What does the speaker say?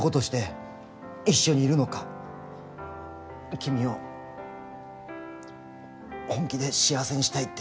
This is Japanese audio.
君を本気で幸せにしたいってそう思ってる。